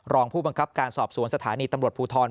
รองผู้บังคับการสอบสวนสถานีตำรวจภูทร